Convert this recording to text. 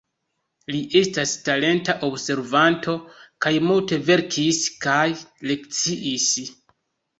Li estas talenta observanto kaj multe verkis kaj lekciis.